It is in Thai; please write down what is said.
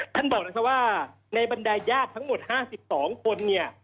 ท่านบอกนะครับว่าในบรรดายญาติทั้งหมด๕๒คน